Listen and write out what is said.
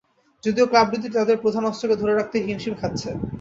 যদিও ক্লাব দুটি তাদের দুই প্রধান অস্ত্রকে ধরে রাখতেই হিমশিম খাচ্ছে।